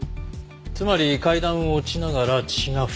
つまり階段を落ちながら血が付着した。